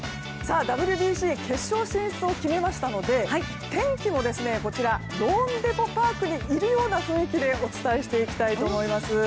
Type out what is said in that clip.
ＷＢＣ決勝進出を決めましたので天気もローンデポ・パークにいるような雰囲気でお伝えしていきたいと思います。